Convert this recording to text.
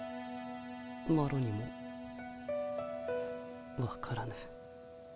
マロにもわからぬ。